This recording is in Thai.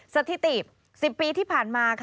สถิติ๑๐ปีที่ผ่านมาค่ะ